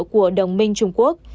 của đồng minh trung quốc